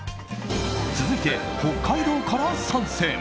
続いて、北海道から参戦。